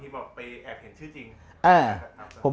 บอกไปแอบเห็นชื่อจริง